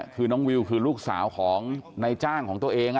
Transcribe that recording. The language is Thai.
คือน้องวิวคือลูกสาวของนายจ้างของตัวเอง